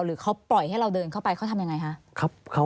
หรือเขาปล่อยให้เราเดินเข้าไปเขาทำยังไงคะ